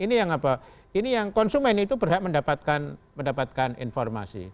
ini yang konsumen itu berhak mendapatkan informasi